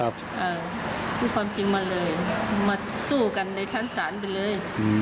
เอาความจริงมาเลยมาสู้กันในชั้นศาลไปเลย